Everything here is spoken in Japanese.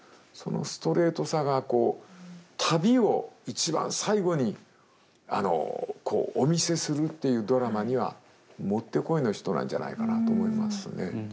そのストレートさがこう旅を一番最後にお見せするっていうドラマにはもってこいの人なんじゃないかなと思いますね。